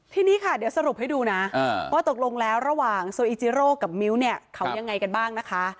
ทีนี้ค่ะเดี๋ยวสรุปให้ดูนะว่าตกลงแล้วระหว่างโซอิจิโรกับมิ้วเนี่ยเขายังไงกันบ้างนะคะ